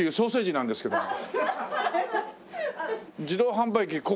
自動販売機